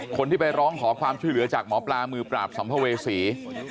คนที่ไปร้องขอความช่วยเหลือจากหมอปลามือปราบสัมภเวษี